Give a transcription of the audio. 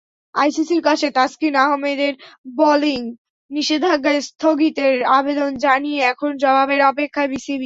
আইসিসির কাছে তাসকিন আহমেদের বোলিং নিষেধাজ্ঞা স্থগিতের আবেদন জানিয়ে এখন জবাবের অপেক্ষায় বিসিবি।